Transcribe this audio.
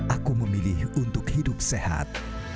aku memilih untuk hidup sehat